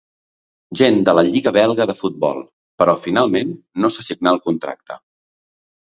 Gent de la Lliga belga de futbol, però finalment no se signà el contracte.